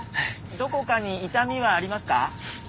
どこかに痛みはありますか？